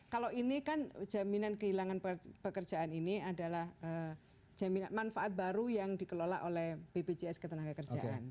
kalau ini kan jaminan kehilangan pekerjaan ini adalah jaminan manfaat baru yang dikelola oleh bpjs ketenagakerjaan